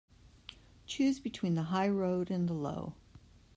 Choose between the high road and the low.